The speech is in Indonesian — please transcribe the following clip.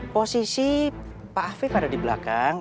posisi pak afif ada di belakang